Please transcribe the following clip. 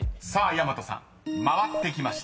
［やまとさん回ってきました］